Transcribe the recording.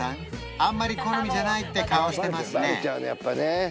あんまり好みじゃないって顔してますね